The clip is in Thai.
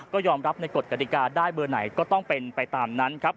ก็ยอมรับในกฎกฎิกาได้เบอร์ไหนก็ต้องเป็นไปตามนั้นครับ